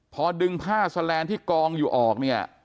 พอดึงผ้าแสลนด์ที่กองอยู่ออกเนี่ย